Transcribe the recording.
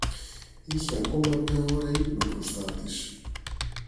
Είχε ακόμα μια ώρα ύπνο μπροστά της